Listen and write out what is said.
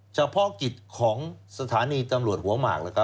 เฉพาะกิจของสถานีตำรวจหัวหมาก